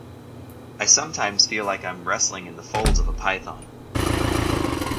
I sometimes feel like I'm wrestling in the folds of a python.